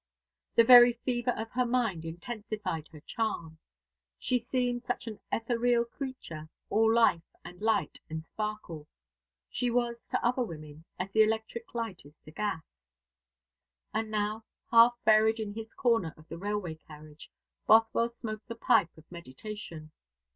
The very fever of her mind intensified her charm. She seemed such an ethereal creature all life, and light, and sparkle. She was, to other women, as the electric light is to gas. And now, half buried in his corner of the railway carriage, Bothwell smoked the pipe of meditation.